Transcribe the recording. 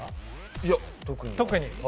いや、特に。